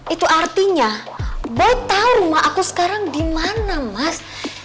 itu artinya boy tau rumah aku sekarang dimana mas